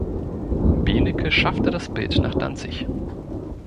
Beneke schaffte das Bild nach Danzig.